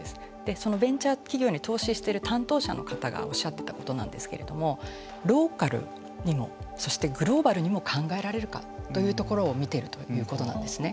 そのベンチャー企業に投資してる担当者の方がおっしゃってたことなんですけれどもローカルにもそしてグローバルにも考えられるかというところを見てるということなんですね。